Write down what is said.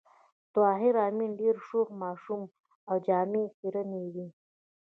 طاهر آمین ډېر شوخ ماشوم و او جامې یې خيرنې وې